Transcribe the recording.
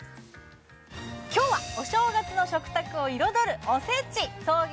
今日はお正月の食卓を彩るおせち創業